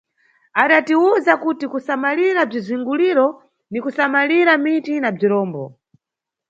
Adatiwuza kuti kusamalira bzizunguliro ni kusamalira miti na bzirombo.